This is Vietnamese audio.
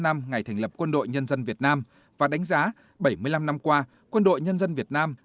bảy mươi năm năm ngày thành lập quân đội nhân dân việt nam và đánh giá bảy mươi năm năm qua quân đội nhân dân việt nam